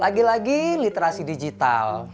lagi lagi literasi digital